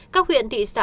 các huyện thị xã thành